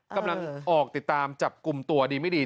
กำลังออกติดตามจับกลุ่มตัวดีไม่ดี